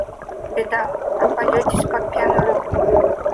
Беда, попадетесь под пьяную руку.